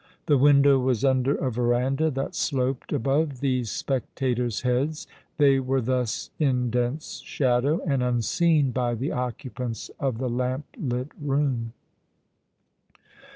The window was under a verandah, that sloped above these si^ectators' heads. They were thus in dense shadow, and unseen by the occupants of the lamplit room.